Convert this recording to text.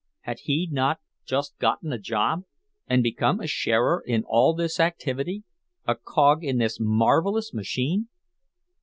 Had he not just gotten a job, and become a sharer in all this activity, a cog in this marvelous machine?